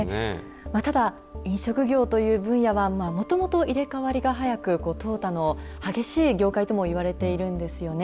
ただ、飲食業という分野は、もともと入れ代わりが早く、とう汰の激しい業界ともいわれているんですよね。